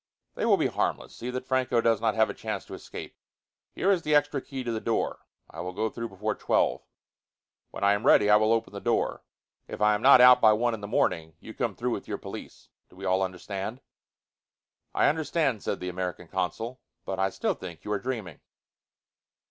"They will be harmless. See that Franco does not have a chance to escape. Here is the extra key to the door. I will go through before twelve. When I am ready, I will open the door. If I am not out by one in the morning, you come through with your police. Do we all understand?" "I understand," said the American consul. "But I still think you are dreaming."